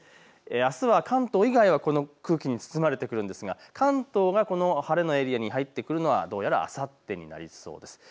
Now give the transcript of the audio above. あすは関東以外はこの空気に包まれてくるんですが関東がこの晴れのエリアに入ってくるのはどうやらあさってになりそうです。